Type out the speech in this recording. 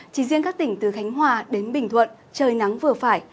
chỉ riêng các tỉnh từ khánh hòa đến bình thuận trời nắng vừa phải